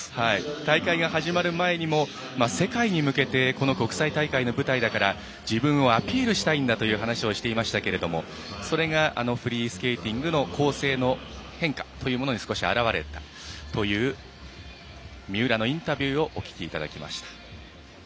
大会が始まる前にも世界に向けてこの国際大会の舞台だから自分をアピールしたいんだという話をしていましたがそれが、フリースケーティングの構成の変化というものに少し表れたという三浦のインタビューをお聞きいただきました。